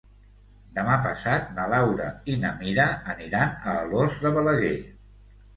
Demà passat na Laura i na Mira aniran a Alòs de Balaguer.